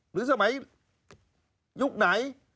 หรือสมัยยุคไหน